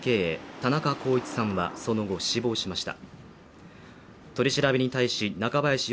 田中幸一さんはその後死亡しました。